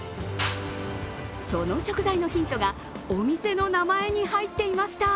その食材のヒントがお店の名前に入っていました。